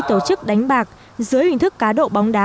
tổ chức đánh bạc dưới hình thức cá độ bóng đá